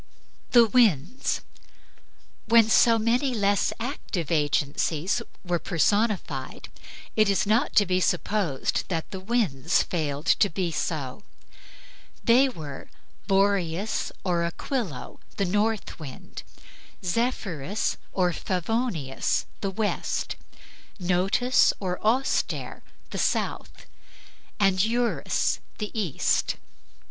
THE WINDS When so many less active agencies were personified, it is not to be supposed that the winds failed to be so. They were Boreas or Aquilo, the north wind; Zephyrus or Favonius, the west; Notus or Auster, the south; and Eurus, the east.